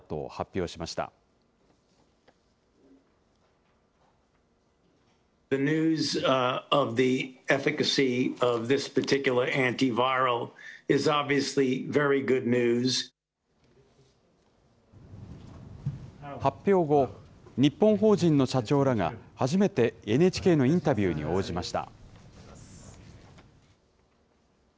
発表後、日本法人の社長らが初めてＮＨＫのインタビューに応じました。